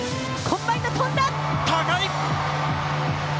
高い！